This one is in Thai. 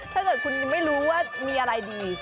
ถ้าเกิดคุณไม่รู้ว่ามีอะไรดี